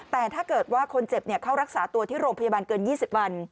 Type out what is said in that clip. แต่ถ้าเกิดว่าคนเจ็บเข้ารักษาตัวที่โรงพยาบาลเกิน๒๐วัน